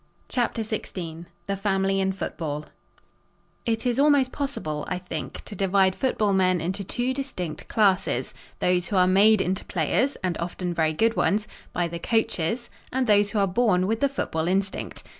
CHAPTER XVI THE FAMILY IN FOOTBALL It is almost possible, I think, to divide football men into two distinct classes those who are made into players (and often very good ones) by the coaches and those who are born with the football instinct.